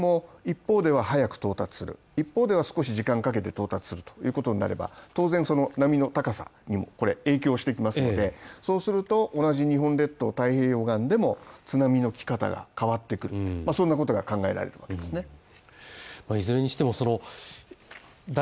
そうすると、同じ津波でも、一方では早く到達する一方では少し時間かけて到達するということになれば、当然その波の高さにも、これ影響してきますので、そうすると、同じ日本列島太平洋側でも、津波のき方が変わってくるそんなことが考えられるわけですね。